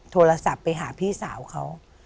โทรศัพท์ไปหาพี่สาวเขา